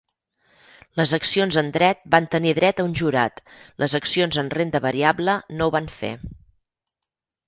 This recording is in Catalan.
Les accions en dret van tenir dret a un jurat, les accions en renda variable no ho van fer.